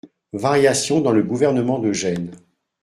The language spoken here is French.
- Variations dans le gouvernement de Gênes.